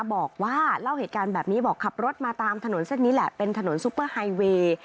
บอกว่าเล่าเหตุการณ์แบบนี้บอกขับรถมาตามถนนเส้นนี้แหละเป็นถนนซุปเปอร์ไฮเวย์